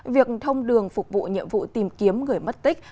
việc thông đường phục vụ nhiệm vụ tìm kiếm người mất tích